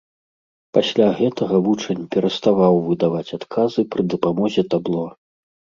Пасля гэтага вучань пераставаў выдаваць адказы пры дапамозе табло.